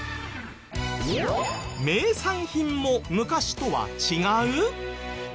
名産品も昔とは違う？